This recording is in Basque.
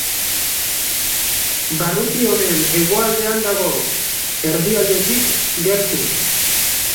Barruti honen hegoaldean dago, erdialdetik gertu.